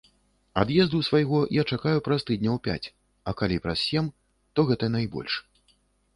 Ад'езду свайго я чакаю праз тыдняў пяць, а калі праз сем, то гэта найбольш.